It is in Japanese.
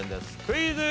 クイズ。